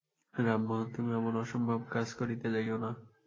রামমোহন, তুমি অমন অসম্ভব কাজ করিতে যাইয়ো না।